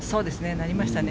なりましたね。